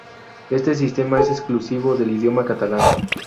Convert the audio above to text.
Este sistema es exclusivo del idioma catalán.